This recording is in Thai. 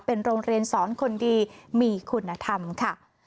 เป็นโรงเรียนสอนคนดีมีคุณธรรมค่ะ